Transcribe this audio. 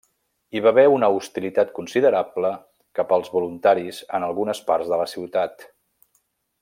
Hi va haver una hostilitat considerable cap als voluntaris en algunes parts de la ciutat.